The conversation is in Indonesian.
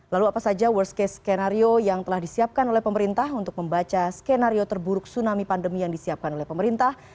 lalu apa saja worst case skenario yang telah disiapkan oleh pemerintah untuk membaca skenario terburuk tsunami pandemi yang disiapkan oleh pemerintah